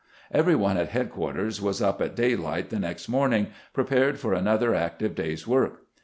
Every one at headquarters was up at daylight the next morning, prepared for another active day's work.